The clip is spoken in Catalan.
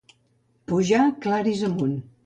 Pujà Claris amunt.